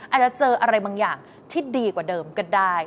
อาจจะเจออะไรบางอย่างที่ดีกว่าเดิมก็ได้